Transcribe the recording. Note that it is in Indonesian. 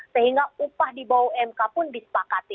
sehingga upah di bawah umk pun disepakati